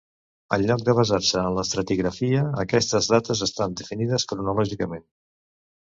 En lloc de basar-se en l'estratigrafia, aquestes dates estan definides cronològicament.